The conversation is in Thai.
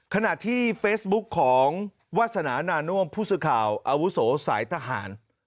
ขณะที่เฟซบุ๊กของวาสนานาน่วมผู้สื่อข่าวอาวุโสสายทหาร